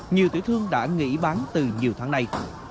nhiều tiểu thương đã nghỉ bán từ nhiều tháng nay